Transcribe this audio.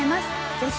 ぜひ。